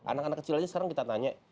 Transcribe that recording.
anak anak kecil aja sekarang kita tanya